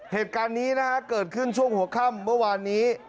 เหตุการณ์นี้นะฮะเกิดขึ้นช่วงหัวค่ำเมื่อวานนี้